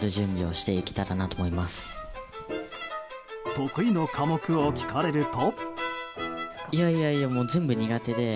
得意の科目を聞かれると。